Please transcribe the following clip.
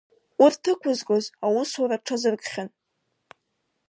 Урҭ ықәызгоз аусура рҽазыркхьан.